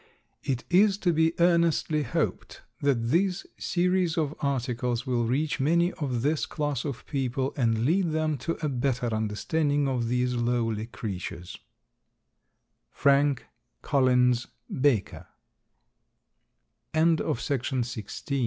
It is to be earnestly hoped that this series of articles will reach many of this class of people and lead them to a better understanding of these lowly creatures. Frank Collins Baker. THE ORANGE. (_Citrus aurantium.